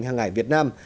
hàng hải việt nam